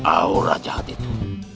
aura jahat itu